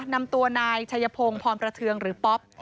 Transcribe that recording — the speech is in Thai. นำตัวนายชัยพงศ์พรประเทืองหรือป๊อป